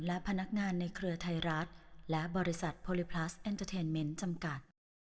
และพนักงานในเครือไทยรัฐและบริษัทโพลิพลัสเอ็นเตอร์เทนเมนต์จำกัด